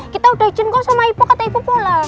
kita udah jengkol sama ibu kata ibu pola